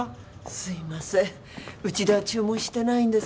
すいませんうちでは注文してないんです。